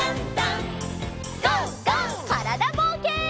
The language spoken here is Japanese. からだぼうけん。